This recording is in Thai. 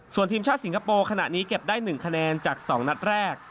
ส่วนทีมชาติสิงคโปร์ขณะนี้เก็บได้๑คะแนนจาก๒นัดแรก